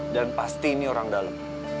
dan pasti ini orang dalam